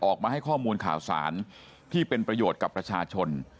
ออกมาให้ข้อมูลข่าวสารที่เป็นประโยชน์กับประชาชน